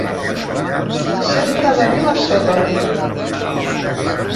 Sempre hi ha de dir la seva!